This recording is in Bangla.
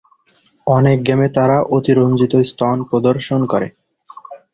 অনেক গেমে তারা অতিরঞ্জিত "স্তন" প্রদর্শন করে।